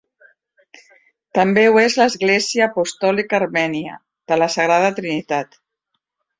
També ho és l'Església Apostòlica Armènia de la Sagrada Trinitat.